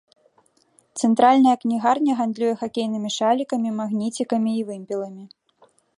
Цэнтральная кнігарня гандлюе хакейнымі шалікамі, магніцікамі і вымпеламі.